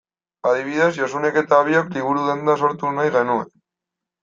Adibidez, Josunek eta biok liburu-denda sortu nahi genuen.